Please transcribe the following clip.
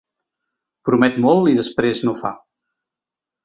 Promet molt i després no fa.